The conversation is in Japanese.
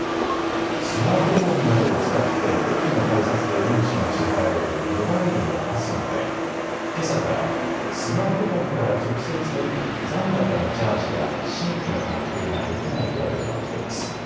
スマートフォンなどを使って駅の改札で運賃を支払えるモバイルのＰＡＳＭＯでけさからスマートフォンから直接、残高のチャージや新規の発行ができないトラブルが起きています。